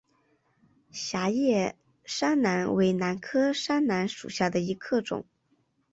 狭叶山兰为兰科山兰属下的一个种。